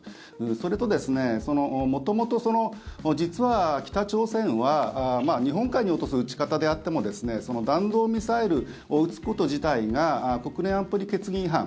それと元々、実は北朝鮮は日本海に落とす撃ち方であっても弾道ミサイルを撃つこと自体が国連安保理決議違反